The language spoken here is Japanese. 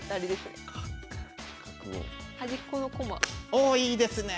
おおいいですね！